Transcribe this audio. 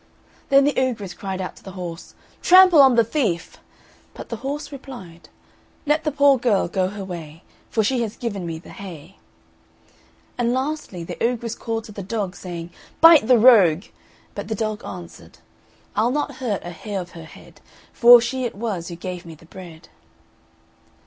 Then the ogress cried out to the horse, "Trample on the thief!" But the horse replied: "Let the poor girl go her way, For she has given me the hay." And lastly, the ogress called to the dog, saying, "Bite the rogue!" But the dog answered: "I'll not hurt a hair of her head, For she it was who gave me the bread."